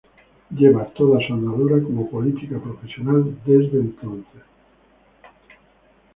Lleva toda su andadura como política profesional desde entonces.